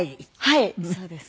はいそうです。